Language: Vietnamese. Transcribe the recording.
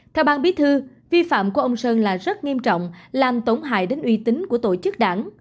theo ban bí thư vi phạm của ông sơn là rất nghiêm trọng làm tổn hại đến uy tín của tổ chức đảng